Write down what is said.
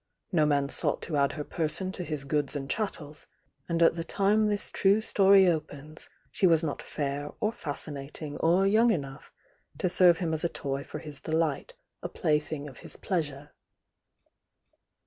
No man sought to add her person to his goods and chattels, and at the time this true story opens, she was not fair or fascinating or young enough to serve him as a toy for his de U THE YOUNG DIANA light, a plaything of his pleaaure.